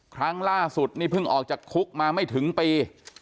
ครั้งล่าสุดนี่เพิ่งออกจากคุกมาไม่ถึงปี